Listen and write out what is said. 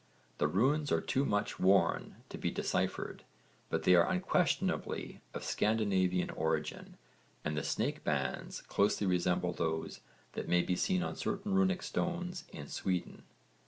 The runes are too much worn to be deciphered but they are unquestionably of Scandinavian origin and the snake bands closely resemble those that may be seen on certain runic stones in Sweden.